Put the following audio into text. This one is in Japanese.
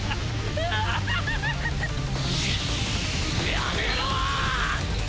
やめろォ！！